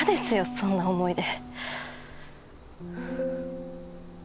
そんな思い出。